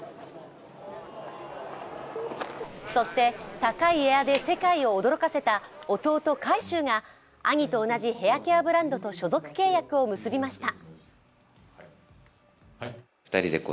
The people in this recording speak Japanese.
そして、高いエアで世界を驚かせた弟・海祝が兄と同じヘアケアブランドと所属契約を結びました。